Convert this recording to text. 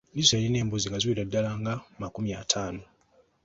Liiso yalina embuzi nga ziwerera ddala nga makumi ataano.